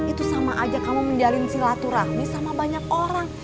itu sama aja kamu menjalin silaturahmi sama banyak orang